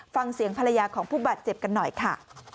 ฟังเสียงภรรยาของผู้บาดเจ็บกันหน่อยค่ะ